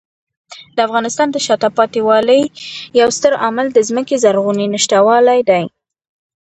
د افغانستان د شاته پاتې والي یو ستر عامل د ځمکې زرغونې نشتوالی دی.